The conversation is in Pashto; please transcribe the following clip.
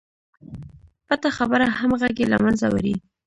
پټه خبره همغږي له منځه وړي.